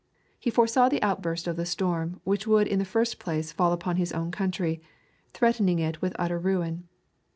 He foresaw the outburst of the storm which would in the first place fall upon his own country, threatening it with utter ruin.